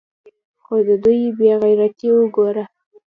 خو د دوى بې غيرتي اوګوره.